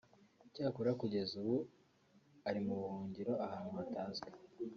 icyakora kugeza ubu ari mu buhungiro ahantu hatazwi